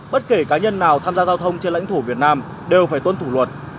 bất kể cá nhân nào tham gia giao thông trên lãnh thổ việt nam đều phải tuân thủ luật